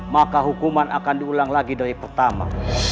maka hukuman akan diulang lagi dari pertama